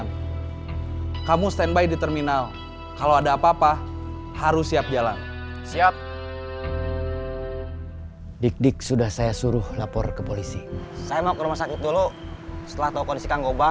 gimana tempat mogoknya